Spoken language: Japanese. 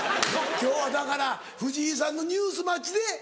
今日はだから藤井さんのニュース待ちでえぇ。